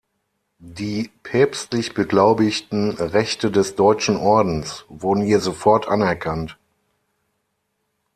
Die päpstlich beglaubigten Rechte des Deutschen Ordens wurden hier sofort anerkannt.